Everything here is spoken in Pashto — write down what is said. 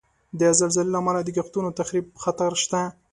د زلزلې له امله د کښتونو د تخریب خطر شته.